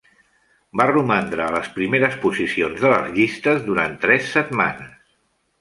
Va romandre a les primeres posicions de les llistes durant tres setmanes.